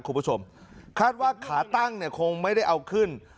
คุณผู้ชมคาดว่าขาตั้งเนี่ยคงไม่ได้เอาขึ้น